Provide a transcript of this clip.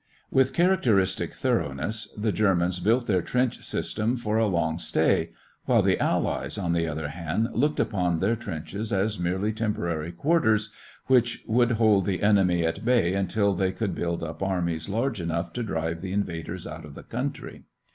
With characteristic thoroughness, the Germans built their trench system for a long stay; while the Allies, on the other hand, looked upon their trenches as merely temporary quarters, which would hold the enemy at bay until they could build up armies large enough to drive the invaders out of the country.